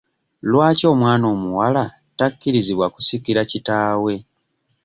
Lwaki omwana omuwala takkirizibwa kusikira kitaawe?